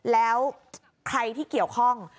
แล้วใครที่เกี่ยวข้อง